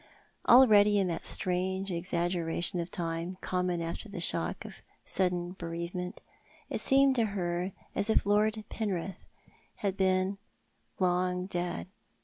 Already in that strange exaggeration of time common after the shock of a sudden bereavement, it seemed to her as if Lord Penrith had been long dead.